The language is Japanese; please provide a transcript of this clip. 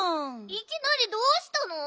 いきなりどうしたの？